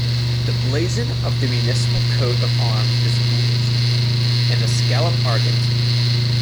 The blazon of the municipal coat of arms is Gules an Escallop Argent.